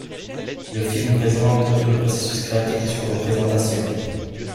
Le film présente tout le processus créatif jusqu’aux représentations.